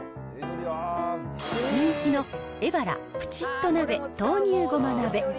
人気のエバラ、プチッと鍋豆乳ごま鍋。